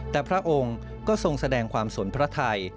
แต่พระองค์ก็ทรงแสดงความสนพระไทย